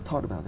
chúng ta biết